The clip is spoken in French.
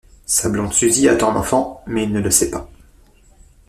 Sa blonde Suzie attend un enfant, mais il ne le sait pas.